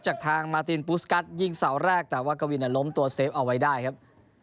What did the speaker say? จากทางมาตินปูสกัสยิงเสาแรกแต่ว่ากวินล้มตัวเซฟเอาไว้ได้ครับ